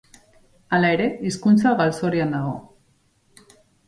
Hala ere, hizkuntza galzorian dago.